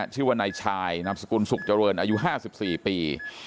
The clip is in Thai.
ชื่อว่านายชายนามสกุลสุขเจริญอายุ๕๔ปี